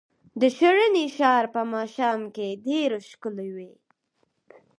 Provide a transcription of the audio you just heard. د ښرنې ښار په ماښام کې ډېر ښکلی وي.